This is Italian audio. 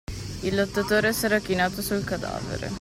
Il Lottatore s'era chinato sul cadavere.